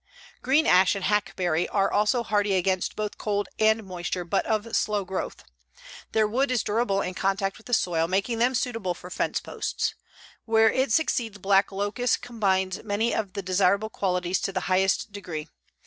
Green ash and hackberry are also hardy against both cold and moisture, but of slow growth. Their wood is durable in contact with the soil, making them suitable for fence posts. Where it succeeds black locust combines many of the desirable qualities to the highest degree.